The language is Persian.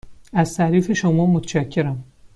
از تعریف شما متشکرم.